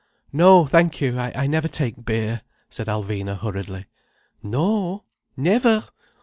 "No, thank you. I never take beer," said Alvina hurriedly. "No? Never?